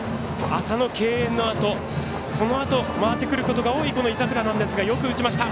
浅野、敬遠のあとそのあと回ってくることが多い井櫻なんですが、よく打ちました。